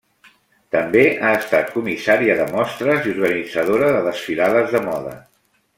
També ha estat comissària de mostres i organitzadora de desfilades de moda.